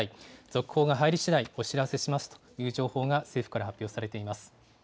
続報が入りしだいお知らせしますという情報が、政府から発表されています。